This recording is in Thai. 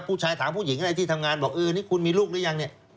ผู้ชายถามผู้หญิงอะไรที่ทำงานบอกเออนี่คุณมีลูกหรือยังเนี่ย